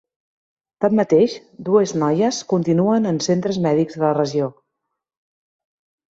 Tanmateix, dues noies continuen en centres mèdics de la regió.